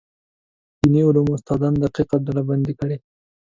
دیني علومو استادان دقیقه ډلبندي کړي.